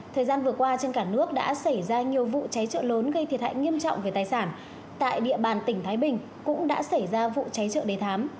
thời gian vừa qua trên cả nước đã xảy ra nhiều vụ cháy trợ lớn gây thiệt hại nghiêm trọng về tài sản tại địa bàn tỉnh thái bình cũng đã xảy ra vụ cháy trợ đề thám